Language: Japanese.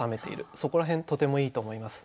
そこら辺とてもいいと思います。